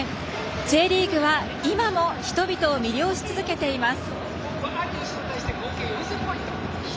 Ｊリーグは今も人々を魅了し続けています。